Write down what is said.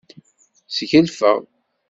Sgelfeɣ.